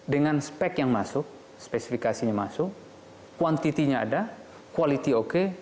dengan spek yang masuk spesifikasinya masuk kuantitinya ada quality oke